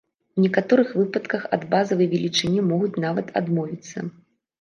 У некаторых выпадках ад базавай велічыні могуць нават адмовіцца.